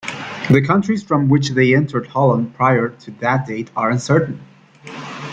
The countries from which they entered Holland prior to that date are uncertain.